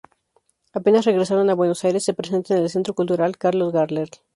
Apenas regresaron a Buenos Aires se presentan en el Centro Cultural Carlos Gardel.